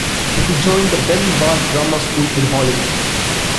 He joined the Ben Bard Drama School in Hollywood.